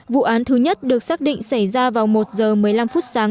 vụ án thứ nhất được xác định xảy ra vào một giờ một mươi năm phút sáng